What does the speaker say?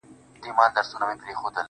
هغې په نيمه شپه ډېـــــوې بلــــي كړې.